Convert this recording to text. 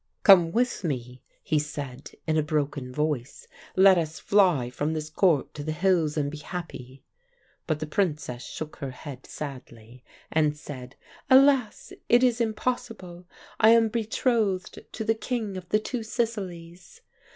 "'Come with me,' he said, in a broken voice. 'Let us fly from this Court to the hills and be happy.' "But the Princess shook her head sadly, and said: 'Alas! It is impossible. I am betrothed to the King of the Two Sicilies.